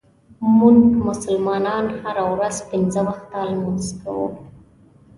مونږ مسلمانان هره ورځ پنځه وخته لمونځ کوو.